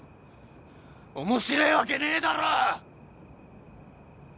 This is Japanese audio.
面白えわけねえだろ！